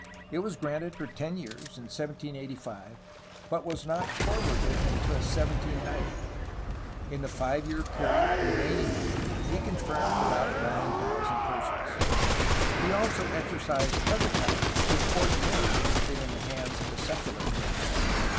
It was granted for ten years in 1785, but was not for warded until 1790. In the five year period remaining to him he confirmed about 9000 persons. He also exercised other powers which ordinarily would have been in the hands of the secular clergy.